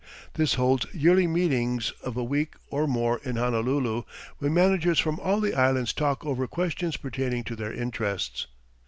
This holds yearly meetings of a week or more in Honolulu, when managers from all the Islands talk over questions pertaining to their interests.